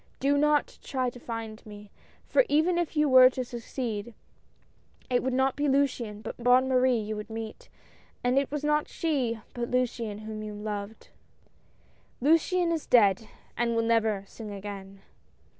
" Do not try to find me ; for even if you were to suc ceed, it would not be Luciane but Bonne Marie you would meet, and it was not she, it was Luciane whom you loved. 186 LUCIAN e's letter. " Luciaiie is dead, and will never sing again."